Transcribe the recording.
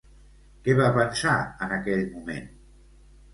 Què va pensar en aquell moment?